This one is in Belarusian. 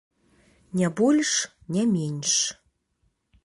Не больш, не менш.